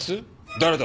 誰だ？